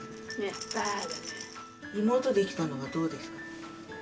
妹出来たのはどうですか？